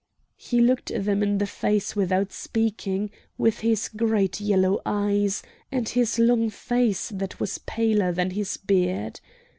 He looked them in the face without speaking, with his great yellow eyes, and his long face that was paler than his beard.